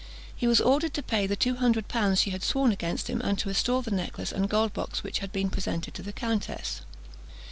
He was ordered to pay the two hundred pounds she had sworn against him, and to restore the necklace and gold box which had been presented to the countess.